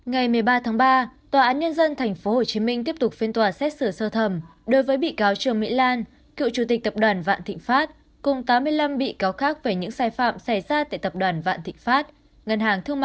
hãy đăng ký kênh để ủng hộ kênh của chúng mình nhé